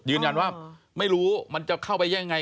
ไม่รู้ว่าไม่รู้มันจะเข้าไปยังไง